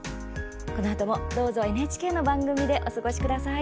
このあともＮＨＫの番組でお過ごしください。